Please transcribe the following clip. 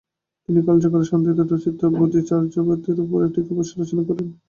তিনি কালচক্র ও শান্তিদেব রচিত বোধিচর্যাবতারের ওপর টীকাভাষ্য রচনা করেন।